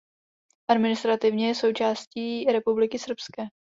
Administrativně je součástí Republiky srbské.